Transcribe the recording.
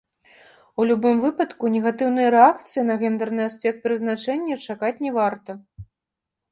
У любым выпадку, негатыўнай рэакцыі на гендэрны аспект прызначэння чакаць не варта.